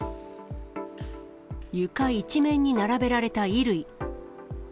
床一面に並べられた衣類。